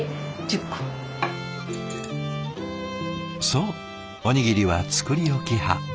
そうおにぎりは作り置き派。